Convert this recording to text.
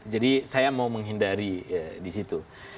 jadi saya mau menghindari di situ